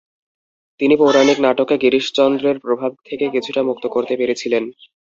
তিনি পৌরাণিক নাটককে গিরিশচন্দ্রের প্রভাব থেকে কিছুটা মুক্ত করতে পেরেছিলেন।